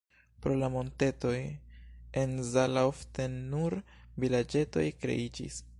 Pro la montetoj en Zala ofte nur vilaĝetoj kreiĝis.